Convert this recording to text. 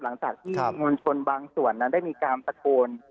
หลังจากที่มวลชนบางส่วนนั้นได้มีการตะโกน